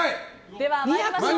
では参りましょう！